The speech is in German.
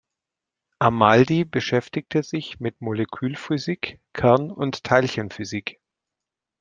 Amaldi beschäftigte sich mit Molekülphysik, Kern- und Teilchenphysik.